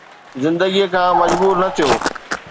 زندگيءَ کان مجبور نه ٿيو.